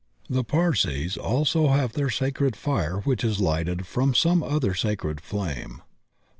The Parsees also have their sacred fire which is lighted from some other sacred flame.